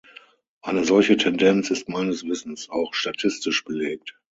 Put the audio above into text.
Eine solche Tendenz ist meines Wissens auch statistisch belegt.